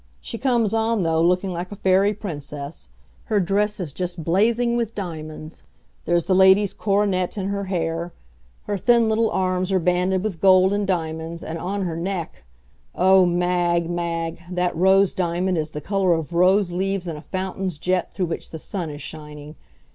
She comes on, though, looking like a fairy princess. Her dress is just blazing with diamonds. There's the Lady's coronet in her hair. Her thin little arms are banded with gold and diamonds, and on her neck O Mag, Mag, that rose diamond is the color of rose leaves in a fountain's jet through which the sun is shining.